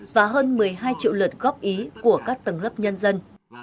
và hơn một mươi hai triệu lượt góp ý của các tầng lớp nhân dân